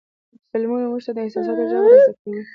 فلمونه موږ ته د احساساتو ژبه را زده کوي.